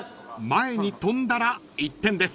［前に飛んだら１点です］